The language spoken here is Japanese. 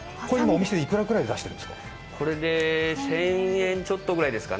お店でいくらくらいで出してるんですか？